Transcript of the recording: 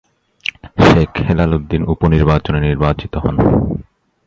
শেখ হেলাল উদ্দীন উপ-নির্বাচনে নির্বাচিত হন।